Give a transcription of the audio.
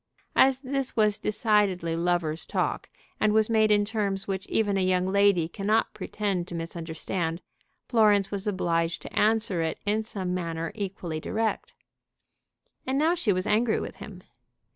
As this was decidedly lover's talk, and was made in terms which even a young lady cannot pretend to misunderstand, Florence was obliged to answer it in some manner equally direct. And now she was angry with him.